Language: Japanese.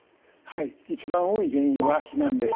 一番多い原因は肥満です。